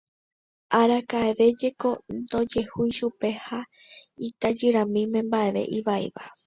Araka'eve jeko ndojehúi chupe ha itajyramíme mba'eve ivaíva.